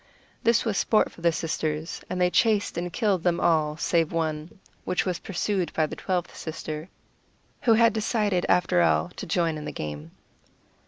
This was sport for the sisters and they chased and killed them all save one, which was pursued by the twelfth sister, who had decided after all to join in the game.